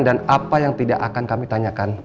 dan apa yang tidak akan kami tanyakan